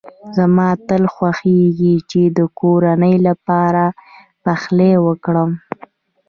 زما تل خوښېږی چي د کورنۍ لپاره پخلی وکړم.